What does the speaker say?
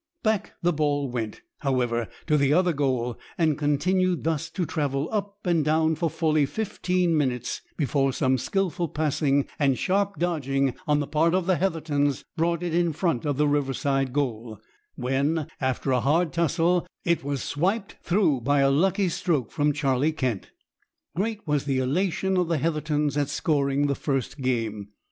Back the ball went, however, to the other goal, and continued thus to travel up and down for fully fifteen minutes before some skilful passing and sharp dodging on the part of the Heathertons brought it in front of the Riverside goal, when, after a hard tussle, it was swiped through by a lucky stroke from Charlie Kent. Great was the elation of the Heathertons at scoring the first game.